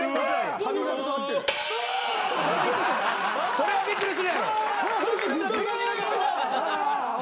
それはびっくりする。